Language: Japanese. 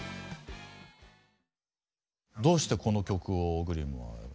どうしてこの曲をＧＬＩＭは？